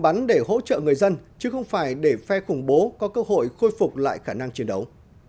bắn để hỗ trợ người dân chứ không phải để phe khủng bố có cơ hội khôi phục lại khả năng chiến đấu